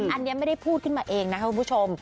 อันนี้ไม่ได้พูดขึ้นมาเองนะครับคุณผู้ชม